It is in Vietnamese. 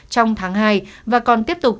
trong tháng hai và còn tiếp tục